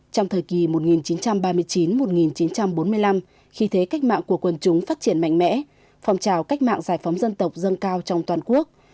trong thời kỳ một nghìn chín trăm ba mươi chín một nghìn chín trăm bốn mươi năm khi thế cách mạng của quân chúng phát triển mạnh mẽ phong trào cách mạng giải phóng dân tộc dâng cao trong toàn quốc